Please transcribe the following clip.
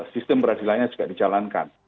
sistem peradilannya juga dijalankan